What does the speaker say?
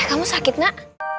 kamu sakit gak